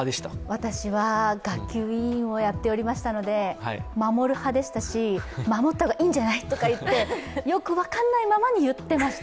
私は学級委員をやっておりましたので守る派でしたし、守った方がいいんじゃない？とか、よく分からないのに言ってました。